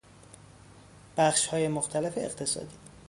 بخشهای مختلف اقتصادی